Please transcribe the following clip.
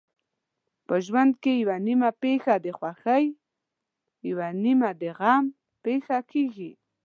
په ژوند کې یوه نیمه پېښه د خوښۍ یوه نیمه د غم پېښه کېږي.